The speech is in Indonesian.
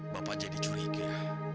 bapak jadi curiga